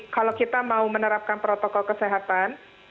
kalau kita mau menerapkan protokol kesehatan